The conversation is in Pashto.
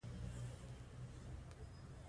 د نیول شوي تصمیم اجرا کول.